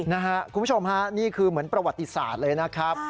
คุณผู้ชมฮะนี่คือเหมือนประวัติศาสตร์เลยนะครับ